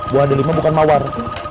buah delima bukan mawar